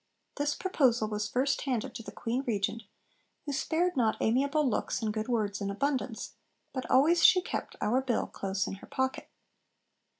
This proposal was first handed to the Queen Regent, who 'spared not amiable looks and good words in abundance, but always she kept our Bill close in her pocket.'